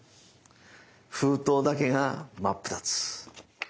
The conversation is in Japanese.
封筒だけが真っ二つ！